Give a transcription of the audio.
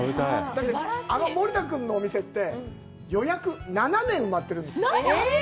あの森田君のお店って、予約、７年も埋まっているんです。